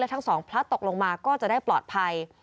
ทั้งสองพลัดตกลงมาก็จะได้ปลอดภัย